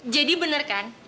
jadi bener kan